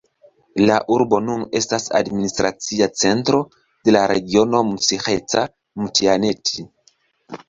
La urbo nun estas administracia centro de la regiono Mcĥeta-Mtianeti.